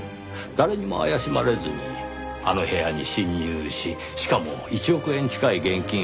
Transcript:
誰にも怪しまれずにあの部屋に侵入ししかも１億円近い現金を手に逃走。